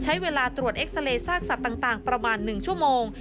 ใช้เวลาตรวจเอ็กซาเรย์ซากสัตว์ต่างประมาณ๑ชั่วโมง